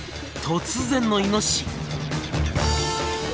突然のイノシシ。